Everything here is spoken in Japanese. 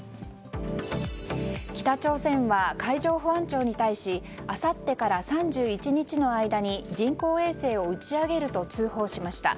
北朝鮮は海上保安庁に対しあさってから３１日の間に人工衛星を打ち上げると通報しました。